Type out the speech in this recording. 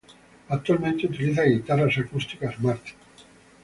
Actualmente utiliza guitarras acústicas Martin.